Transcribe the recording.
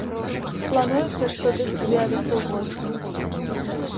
Плануецца, што дыск з'явіцца ўвосень.